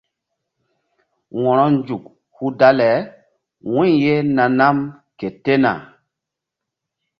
Wo̧ronzuk hul dale wu̧y ye na nam ke tena.